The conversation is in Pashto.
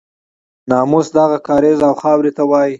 ناموس دغه کاریز او خاورې ته وایي.